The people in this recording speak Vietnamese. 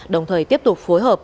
đồng thời tiếp tục phối hợp